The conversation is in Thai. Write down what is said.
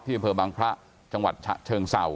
ที่ตมบางพระอำเภอจังหวัดฉะเชิงเศรา